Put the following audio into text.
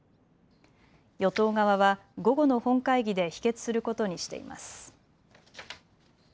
与党側は午後の本会議で否決することにしています。